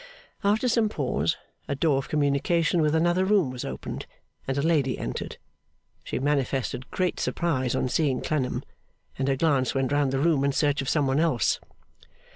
After some pause, a door of communication with another room was opened, and a lady entered. She manifested great surprise on seeing Clennam, and her glance went round the room in search of some one else.